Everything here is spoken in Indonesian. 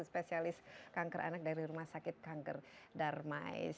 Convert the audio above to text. spesialis kanker anak dari rumah sakit kanker darmais